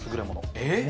えっ！